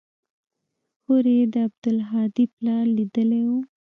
هورې يې د عبدالهادي پلار ليدلى و.